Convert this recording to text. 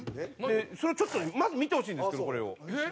それをちょっとまず見てほしいんですけどこれを。